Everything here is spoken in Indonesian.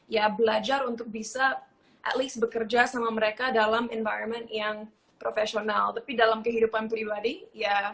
ya belajar untuk bisa at least bekerja sama mereka dalam environment yang profesional tapi dalam kehidupan pribadi ya